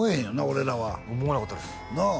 俺らは思わなかったですなあ